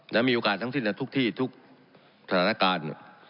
และมีโอกาสทั้งสิ้นทั้งทุกที่ทุกธนาคาร